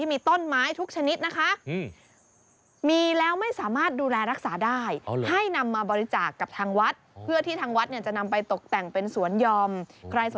มีคุณผู้ชมทรงมา